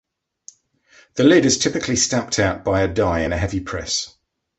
The lid is typically stamped out by a die in a heavy press.